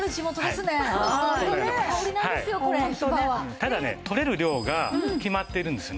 ただね採れる量が決まってるんですね。